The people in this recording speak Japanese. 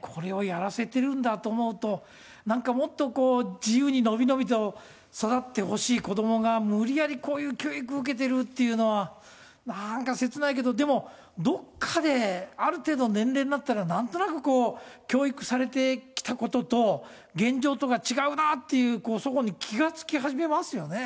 これをやらせてるんだと思うと、なんかこうもっと自由に伸び伸びと育ってほしい子どもが、無理やりこういう教育受けてるっていうのは、なんかせつないけど、でも、どこかである程度の年齢になったら、なんとなくこう、教育されてきたことと、現状とが違うなっていうそごに気が付き始めますよね。